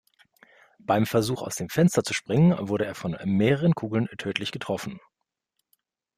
Beim Versuch aus dem Fenster zu springen, wurde er von mehreren Kugeln tödlich getroffen.